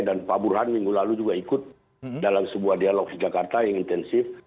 dan pak burhan minggu lalu juga ikut dalam sebuah dialog di jakarta yang intensif